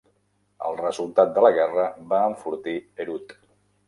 El resultat de la guerra va enfortir Herut.